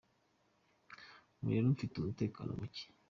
ubu rero mfite umutekano muke.